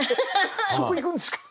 そこいくんですか？